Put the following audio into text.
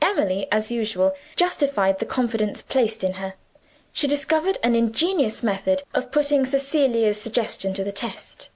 Emily, as usual, justified the confidence placed in her. She discovered an ingenious method of putting Cecilia's suggestion to the test.